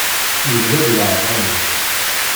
Yebla di leɛḍam-is.